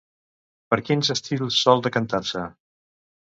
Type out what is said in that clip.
Per quins estils sol decantar-se?